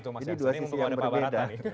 ini dua sisi yang berbeda